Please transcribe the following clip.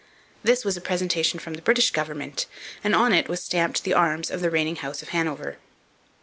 This was a presentation from the British government, and on it was stamped the arms of the reigning House of Hanover.